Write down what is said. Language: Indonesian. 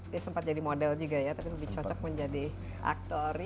dia sempat jadi model juga ya tapi lebih cocok menjadi aktory